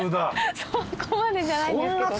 そこまでじゃないんですけど。